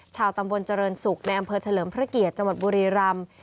ชาวตำบลเจริญศุกร์ในอำเภอเฉลิมพระเกียรติจังหวัดบุรีรำ